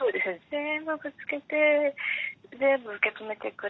全部ぶつけて全部受け止めてくれて。